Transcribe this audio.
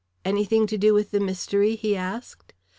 "Anything to do with the mystery?" he asked.